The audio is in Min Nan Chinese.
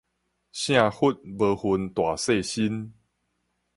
聖佛無分大細身